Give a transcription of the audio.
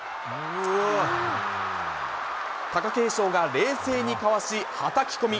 貴景勝が冷静にかわし、はたき込み。